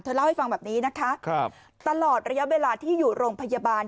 เล่าให้ฟังแบบนี้นะคะตลอดระยะเวลาที่อยู่โรงพยาบาล